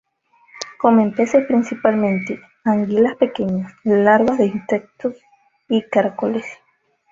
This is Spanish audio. Comen peces principalmente, anguilas pequeñas, larvas de insectos, y caracoles.